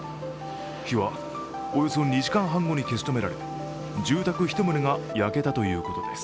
火はおよそ２時間半後に消し止められ、住宅１棟が焼けたということです。